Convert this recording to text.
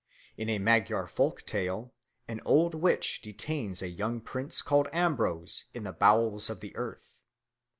In a Magyar folk tale, an old witch detains a young prince called Ambrose in the bowels of the earth.